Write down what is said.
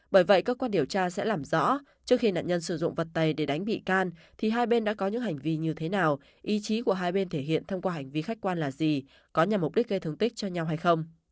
bởi vậy cơ quan điều tra sẽ làm rõ trước khi nạn nhân sử dụng vật tay để đánh bị can thì hai bên đã có những hành vi như thế nào ý chí của hai bên thể hiện thông qua hành vi khách quan là gì có nhằm mục đích gây thương tích cho nhau hay không